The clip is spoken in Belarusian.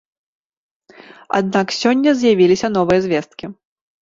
Аднак сёння з'явіліся новыя звесткі.